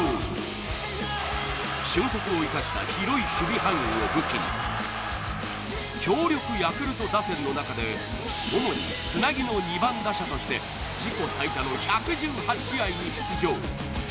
すごいを武器に強力ヤクルト打線の中で主につなぎの２番打者として自己最多の１１８試合に出場